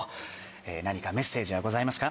何かメッセージはございますか？